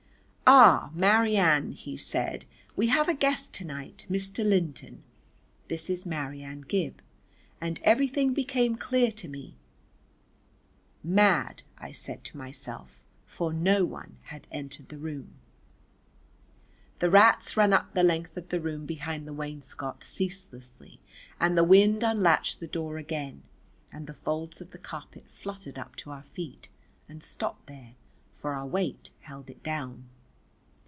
"Ah, Marianne," he said, "we have a guest to night. Mr. Linton. This is Marianne Gib." And everything became clear to me. "Mad," I said to myself, for no one had entered the room. The rats ran up the length of the room behind the wainscot ceaselessly, and the wind unlatched the door again and the folds of the carpet fluttered up to our feet and stopped there, for our weight held it down.